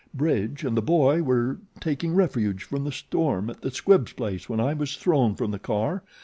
Bridge and the boy were taking refuge from the storm at the Squibbs place when I was thrown from the car.